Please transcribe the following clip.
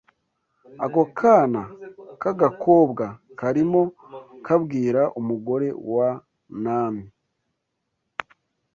ako kana k’agakobwa karimo kabwira umugore wa Naamani